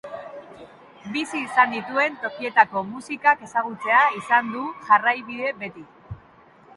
Bizi izan dituen tokietako musikak ezagutzea izan du jarraibide beti.